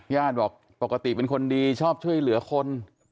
บอกปกติเป็นคนดีชอบช่วยเหลือคน